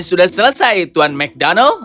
sudah selesai tuan mcdonald